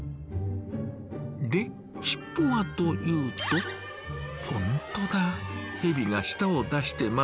で尻尾はというと本当だヘビが舌を出してますよ。